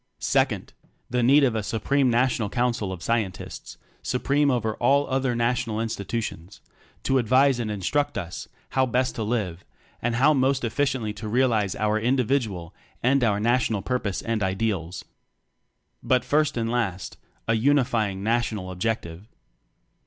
Second: The need of a Supreme National Council of Scientists supreme over all other National In stitutions to advise and instruct us how best to Live, and how most effi ciently to realize our Individual and our National Purpose and Ideals. But, First and Last, a unifying Na tional Objective.